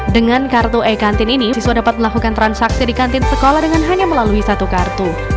dengan kartu e kantin ini siswa dapat melakukan transaksi di kantin sekolah dengan hanya melalui satu kartu